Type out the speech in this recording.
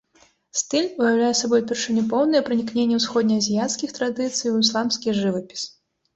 Стыль уяўляе сабой упершыню поўнае пранікненне ўсходне-азіяцкіх традыцый у ісламскі жывапіс.